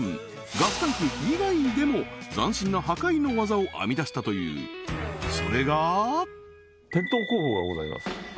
ガスタンク以外でも斬新な破壊の技を編み出したというそれが転倒工法がございます